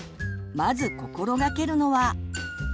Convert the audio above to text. まず心がけるのは。